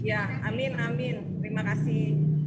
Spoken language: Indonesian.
ya amin amin terima kasih